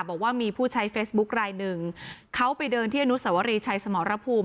บอกว่ามีผู้ใช้เฟซบุ๊คลายหนึ่งเขาไปเดินที่อนุสวรีชัยสมรภูมิ